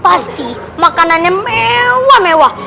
pasti makanannya mewah mewah